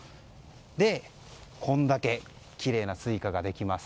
で、これだけきれいなスイカができます。